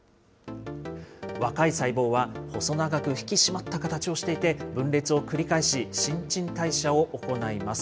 若い細胞は細長く、引き締まった形をしていて、分裂を繰り返し、新陳代謝を行います。